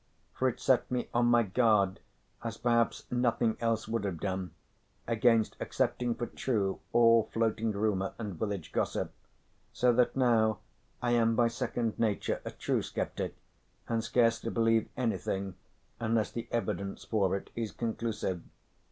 For it set me on my guard as perhaps nothing else would have done, against accepting for true all floating rumour and village gossip, so that now I am by second nature a true sceptic and scarcely believe anything unless the evidence for it is conclusive.